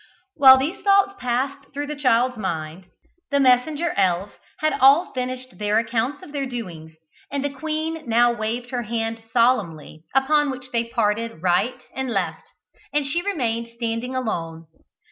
While these thoughts passed through the child's mind, the messenger elves had all finished their accounts of their doings, and the queen now waved her hand solemnly, upon which they parted right and left, and she remained standing alone.